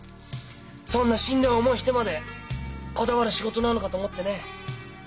そんなしんどい思いしてまでこだわる仕事なのかと思ってねえ。